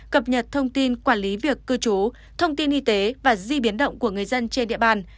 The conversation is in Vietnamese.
cập nhật thông tin quản lý việc cư trú thông tin y tế và di biến động của người dân trên địa bàn